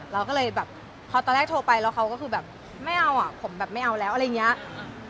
เราก็เลยแบบพอตอนแรกโทรไปแล้วเขาก็คือแบบไม่เอาอ่ะผมแบบไม่เอาแล้วอะไรอย่างนี้